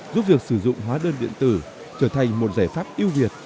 giúp việc sử dụng hóa đơn điện tử trở thành một giải pháp yêu việt